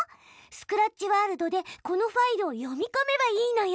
スクラッチワールドでこのファイルを読みこめばいいのよ！